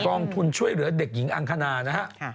องทุนช่วยเหลือเด็กหญิงอังคณานะฮะ